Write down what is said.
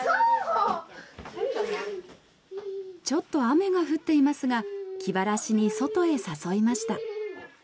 ちょっと雨が降っていますが気晴らしに外へ誘いました。